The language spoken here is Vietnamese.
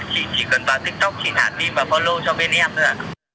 chị chỉ cần vào tiktok chị thả tin và follow cho bên em thôi ạ